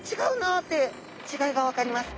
って違いが分かります。